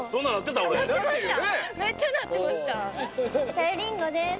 さゆりんごです。